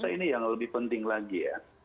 ini yang lebih penting lagi ya